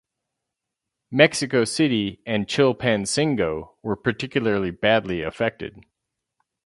Mexico City and Chilpancingo were particularly badly affected.